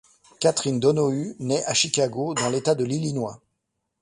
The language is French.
Catherine Donohue naît à Chicago, dans l’état de l’Illinois.